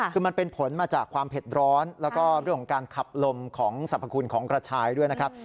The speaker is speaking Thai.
คือมันเป็นผลมาจากความเผ็ดร้อนแล้วก็เรื่องของการขับลมของสรรพคุณของกระชายด้วยนะครับ